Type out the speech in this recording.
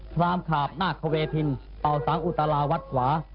พรามขาบนาคเวทินเป่าสังอุตลาวัดขวา